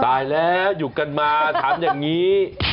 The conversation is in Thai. ตายแล้วอยู่กันมาถามอย่างนี้